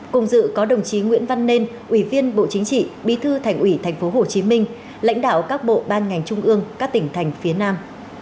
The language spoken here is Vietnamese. cùng dự có đồng chí nguyễn văn nên ủy viên bộ chính trị bí thư thành ủy tp hcm lãnh đạo các bộ ban ngành trung ương các tỉnh thành phía nam